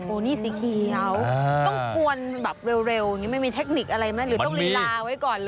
นี่สีเขียวต้องกวนแบบเร็วอย่างนี้มันมีเทคนิคอะไรไหมหรือต้องลีลาไว้ก่อนเลย